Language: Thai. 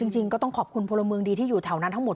จริงก็ต้องขอบคุณพลเมืองดีที่อยู่แถวนั้นทั้งหมด